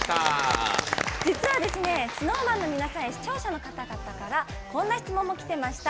実はですねＳｎｏｗＭａｎの皆さんに視聴者の方々からこんな質問もきてました。